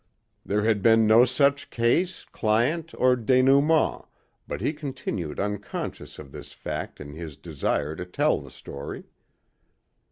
There had been no such case, client or denouement but he continued unconscious of this fact in his desire to tell the story.